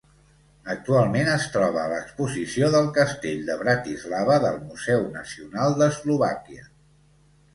Actualment, es troba a l'exposició del castell de Bratislava del Museu Nacional d'Eslovàquia.